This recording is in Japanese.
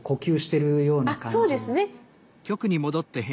あっそうですね。